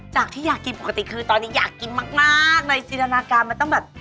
ที่อยากกินปกติคือตอนนี้อยากกินมากเลยจินตนาการมันต้องแบบ